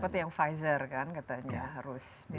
seperti yang pfizer kan katanya harus minus tujuh puluh